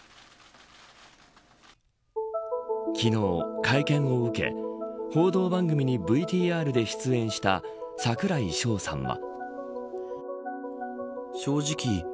昨日、会見を受け報道番組にＶＴＲで出演した櫻井翔さんは。